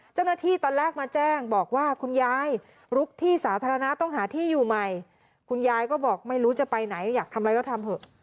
เจ้าหน้าที่ตอนแรกมาแจ้งบอกว่าคุณยายลุกที่สาธารณะต้องหาที่อยู่ใหม่คุณยายก็บอกไม่รู้จะไปไหนอยากทำอะไรก็ทำเถอะ